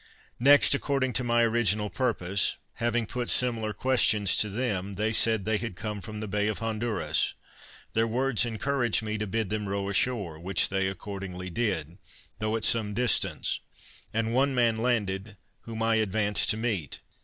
Next, according to my original purpose, having put similar questions to them, they said they had come from the Bay of Honduras; their words encouraged me to bid them row ashore, which they accordingly did, though at some distance, and one man landed, whom I advanced to meet.